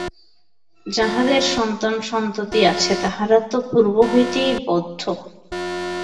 যাহাদের সন্তান-সন্ততি আছে, তাহারা তো পূর্ব হইতেই বদ্ধ।